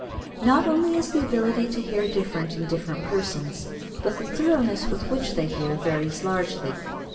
Not only is the ability to hear different in different persons, but the thoroughness with which they hear varies largely.